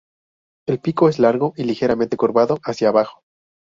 El pico es largo y ligeramente curvado hacia abajo.